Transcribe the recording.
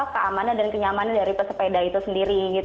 keamanan dan kenyamanan dari pesepeda itu sendiri